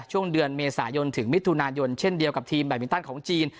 ช่วงเดือนเมษายนถึงมิถุนายนเช่นเดียวกับทีมแบตมินตันของจีน